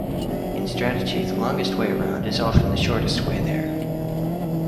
In Strategy the longest way around is often the shortest way there.